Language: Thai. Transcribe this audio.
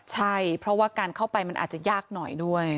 ใช่เพราะว่าการเข้าไปมันอาจจะยากหน่อยด้วย